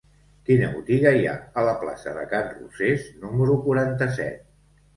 Quina botiga hi ha a la plaça de Can Rosés número quaranta-set?